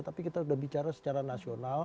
tapi kita sudah bicara secara nasional